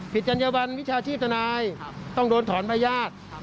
จัญญบันวิชาชีพทนายต้องโดนถอนพญาติ